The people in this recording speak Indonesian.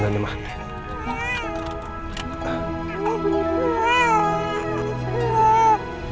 kamu bunyi dulu